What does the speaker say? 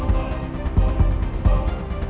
sorry dulu pak